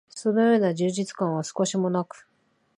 そのような充実感は少しも無く、